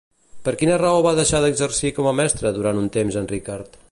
Per quina raó va deixar d'exercir com a mestre durant un temps en Richard?